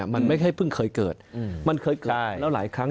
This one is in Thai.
มันไม่ใช่เพิ่งเคยเกิดมันเคยเกิดมาแล้วหลายครั้ง